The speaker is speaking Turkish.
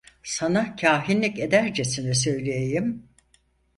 Sana kâhinlik edercesine söyleyeyim: